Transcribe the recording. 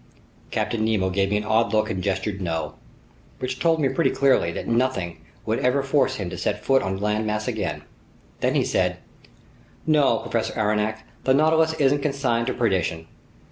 Captain Nemo gave me an odd look and gestured no. Which told me pretty clearly that nothing would ever force him to set foot on a land mass again. Then he said: "No, Professor Aronnax, the Nautilus isn't consigned to perdition.